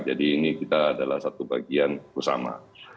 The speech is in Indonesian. jadi ini kita adalah satu bagian bersama